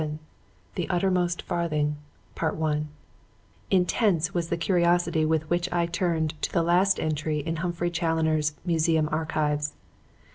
VII THE UTTERMOST FARTHING Intense was the curiosity with which I turned to the last entry in Humphrey Challoner's "Museum Archives."